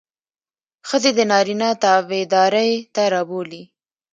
ښځې د نارينه تابعدارۍ ته رابولي.